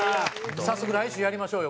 早速来週やりましょうよ